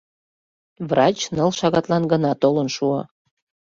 Врач ныл шагатлан гына толын шуо.